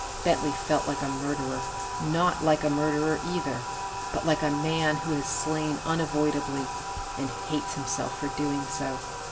Bentley felt like a murderer. Not like a murderer, either, but like a man who has slain unavoidably and hates himself for doing so.